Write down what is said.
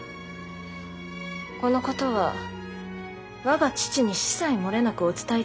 このことは我が父に子細漏れなくお伝えいたします。